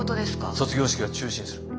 卒業式は中止にする。